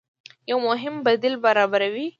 يو مهم بديل برابروي